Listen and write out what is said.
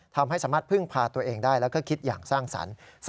ทำให้สามารถพึ่งพาตัวเองได้แล้วก็คิดอย่างสร้างสรรค์